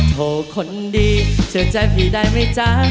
โทรคนดีเธอใจพี่ได้มั้ยจ๊ะ